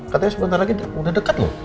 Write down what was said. katanya sebentar lagi udah dekat loh